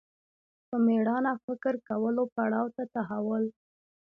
په مېړانه فکر کولو پړاو ته تحول